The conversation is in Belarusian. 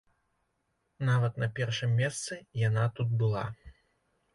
Нават на першым месцы яна тут была.